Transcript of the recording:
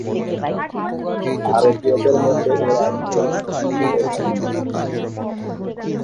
ভারতীয়দের মধ্যে এর আগে এই সম্মান কেউ পাননি।